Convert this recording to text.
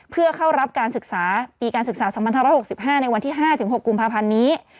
เพื่อเข้ารับการศึกษาปีการศึกษา๒๕๖๕ในวันที่๕๖กุมภาพันธ์นี้